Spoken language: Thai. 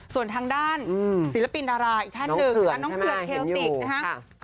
ส่วนทางด้านศิลปินดาราอีกท่านหนึ่งนะคะน้องเขื่อนเทลติกนะฮะ